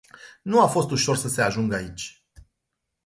Nu a fost ușor să se ajungă aici.